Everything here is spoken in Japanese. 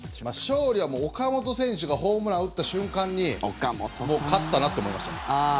勝利は岡本選手がホームランを打った瞬間に勝ったなと思いましたね。